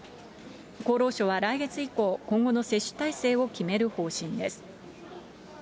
厚労省は来月以降、今後の接種体制を決める方針です。